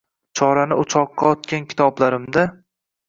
Chorani o’choqqa otgan kitoblarimda